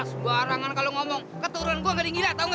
sebarangan kalau ngomong keturunan gua kali yang gila tau gak